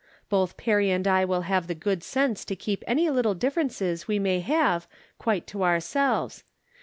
Both Perry and I will have the good sense to keep any httle differences we may have quite to ourselves.